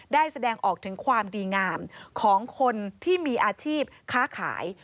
แสดงออกถึงความดีงามของคนที่มีอาชีพค้าขาย